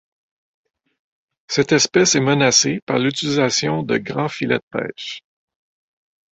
Cette espèce est menacée par l'utilisation de grands filets de pêche.